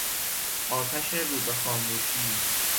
آتش رو به خاموشی